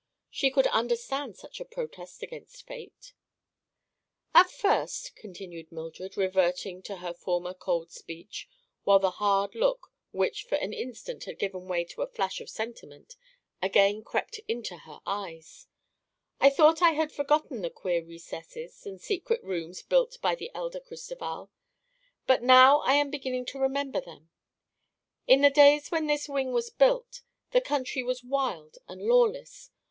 She could understand such a protest against fate. "At first," continued Mildred, reverting to her former cold speech, while the hard look, which for an instant had given way to a flash of sentiment, again crept into her eyes, "I thought I had forgotten the queer recesses and secret rooms built by the elder Cristoval; but now I am beginning to remember them. In the days when this wing was built, the country was wild and lawless.